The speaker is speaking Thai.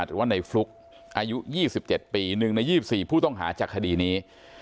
แต่ว่าในฟลุกอายุ๒๗ปีหนึ่งใน๒๔ผู้ต้องหาจากคดีนี้